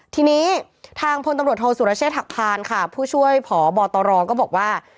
ทีนี้ทางพลตำรวจโทษสุรเชษฐหักพานค่ะผู้ช่วยผอบตรก็บอกว่า